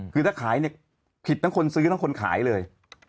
คือถ้าขายเนี่ยผิดทั้งคนซื้อทั้งคนขายเลย